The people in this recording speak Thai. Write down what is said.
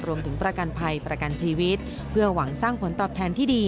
ประกันภัยประกันชีวิตเพื่อหวังสร้างผลตอบแทนที่ดี